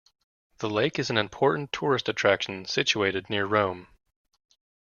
The lake is an important tourist attraction situated near Rome.